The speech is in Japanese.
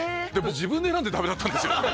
自分で選んでダメだったんですよ？